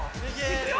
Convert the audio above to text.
いくよ！